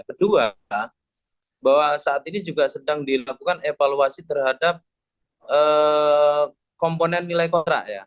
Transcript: kedua bahwa saat ini juga sedang dilakukan evaluasi terhadap komponen nilai kontrak ya